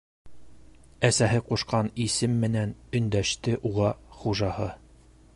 Әсәһе ҡушҡан исем менән өндәште уға хужаһы!